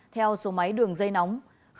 theo số máy đường dây nóng